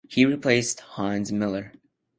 He replaced Hans Miller.